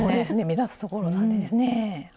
目立つところなんでですね。